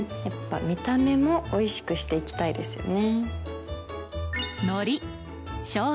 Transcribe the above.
見た目もおいしくして行きたいですよね。